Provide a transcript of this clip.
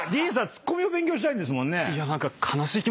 ツッコミの勉強したいんですもんね？